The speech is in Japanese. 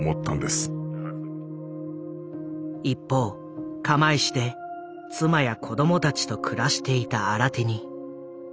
一方釜石で妻や子供たちと暮らしていたアラティニ。